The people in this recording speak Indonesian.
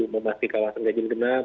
memasuki kawasan ganjil genap